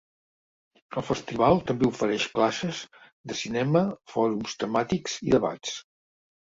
El festival també ofereix classes de cinema, fòrums temàtics i debats.